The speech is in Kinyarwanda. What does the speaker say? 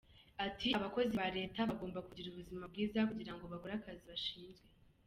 Ati “Abakozi ba Leta bagomba kugira ubuzima bwiza kugira ngo bakore akazi bashinzwe.